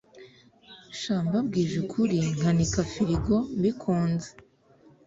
Sha mbabwije ukuri nkanika firigo mbikunze